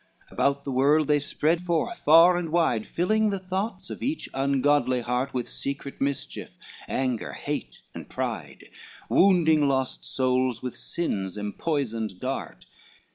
XIX About the world they spread forth far and wide, Filling the thoughts of each ungodly heart With secret mischief, anger, hate and pride, Wounding lost souls with sin's empoisoned dart.